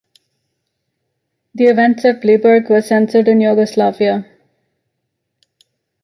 The events at Bleiburg were censored in Yugoslavia.